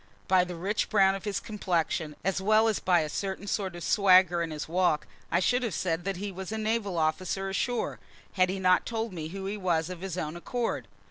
By the rich brown of his complexion, as well as by a certain sort of swagger in his walk, I should have said that he was a naval officer ashore, had he not told me who he was of his own accord.